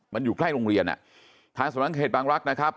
มันอยู่ใกล้โรงเรียนอ่ะทางสำนักเขตบางรักษ์นะครับ